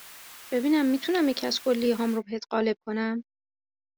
ببینم می تونم یکی از کلیه هام رو بهت قالب کنم